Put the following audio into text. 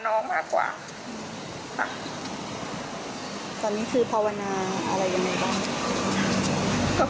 น้องเคยมีแฟนแล้วเลิกกันอันนี้น่าจะเขียวไหมคะแม่